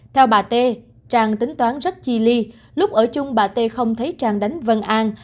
theo bà t trang tính toán rất chi ly lúc ở chung bà t không thấy trang đánh vân an